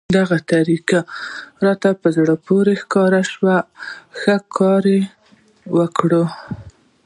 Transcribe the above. دغه طریقه یې راته په زړه پورې ښکاره شوه، ښه کار یې وکړ.